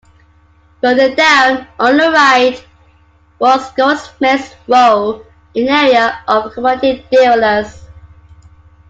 Further down, on the right, was Goldsmiths Row, an area of commodity dealers.